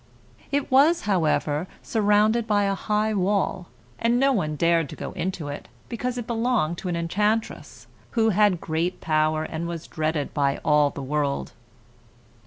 It was, however, surrounded by a high wall, and no one dared to go into it because it belonged to an enchantress, who had great power and was dreaded by all the world.